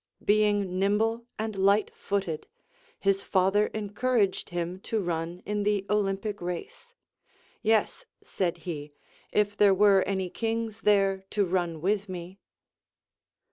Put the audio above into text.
Being nim ble and light footed, his father encouraged him to run in tlie Olympic race ; Yes, said he, if there were any kings there to run with me.